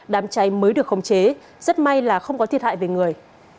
đám cháy mới được khống chế rất may là không có thiệt hại về người